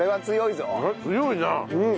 強いな。